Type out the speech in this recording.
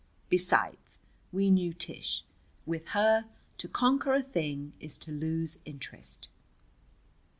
Besides, we knew Tish. With her, to conquer a thing is to lose interest.